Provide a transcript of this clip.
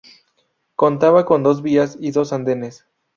Contaba con dos vías y dos andenes.